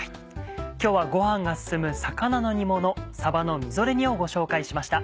今日はご飯が進む魚の煮もの「さばのみぞれ煮」をご紹介しました。